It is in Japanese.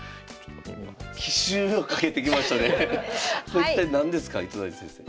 これ一体何ですか糸谷先生。